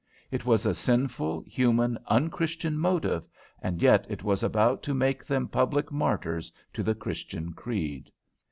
It was a sinful, human, un Christian motive, and yet it was about to make them public martyrs to the Christian creed.